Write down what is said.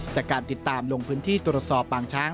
จากการติดตามลงพื้นที่ตรวจสอบปางช้าง